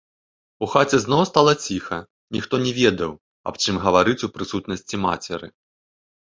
У хаце стала зноў ціха, ніхто не ведаў, аб чым гаварыць у прысутнасці мацеры.